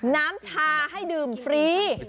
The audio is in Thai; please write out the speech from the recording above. น้ำชาให้ดื่มฟรี